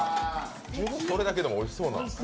これだけでもおいしそうな。